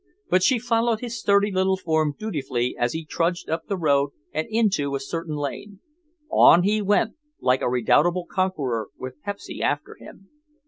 But she followed his sturdy little form dutifully as he trudged up the road and into a certain lane. On he went, like a redoubtable conqueror with Pepsy after him.